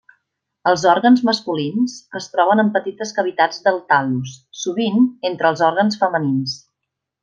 Els òrgans masculins es troben en petites cavitats del tal·lus sovint entre els òrgans femenins.